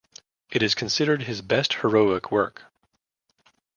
It is considered his best heroic work.